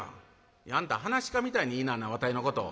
「あんた噺家みたいに言いなんなわたいのこと。